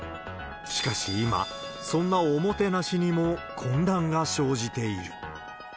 しかし今、そんなおもてなしにも混乱が生じている。